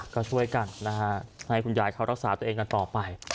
ก็ช่วยกันนะฮะให้คุณยายเขารักษาตัวเองกันต่อไป